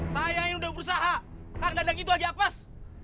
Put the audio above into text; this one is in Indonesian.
saya yang udah berusaha kang dadang itu aja pas